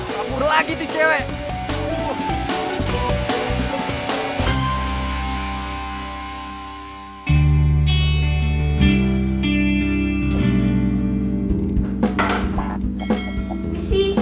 kabur lagi tuh cewek